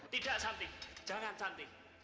tidak santi jangan santi